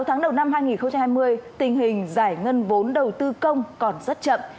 sáu tháng đầu năm hai nghìn hai mươi tình hình giải ngân vốn đầu tư công còn rất chậm